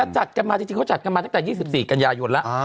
จัดกันมาจริงเขาจัดกันมาตั้งแต่๒๔กันยายนแล้ว